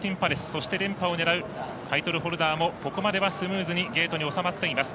そして、連覇を狙うタイトルホルダーもここまではスムーズにゲートに収まっています。